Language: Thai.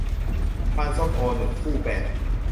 พานส้มโอ หนึ่ง คู่ แปด